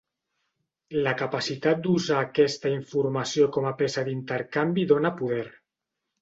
La capacitat d'usar aquesta informació com a peça d'intercanvi dóna poder.